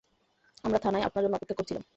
আমরা থানায় আপনার জন্য অপেক্ষা করছিলাম।